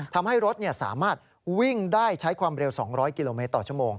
ทำให้รถสามารถวิ่งได้ใช้ความเร็ว๒๐๐กิโลเมตรต่อชั่วโมง